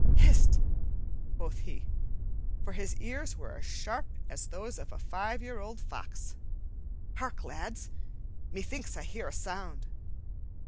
"Hist!" quoth he, for his ears were as sharp as those of a five year old fox. "Hark, lads! Methinks I hear a sound."